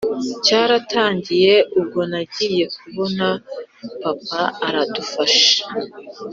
cyaratangiye ubwo nagiye kubona papa aradufashe